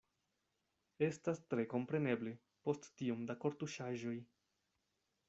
Estas tre kompreneble, post tiom da kortuŝaĵoj.